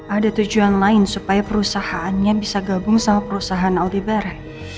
ada tujuan lain supaya perusahaannya bisa gabung sama perusahaan audibare